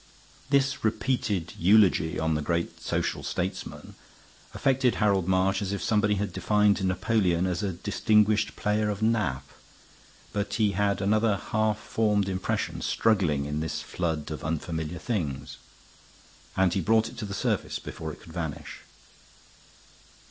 This repeated eulogy on the great social statesman affected Harold March as if somebody had defined Napoleon as a distinguished player of nap. But he had another half formed impression struggling in this flood of unfamiliar things, and he brought it to the surface before it could vanish.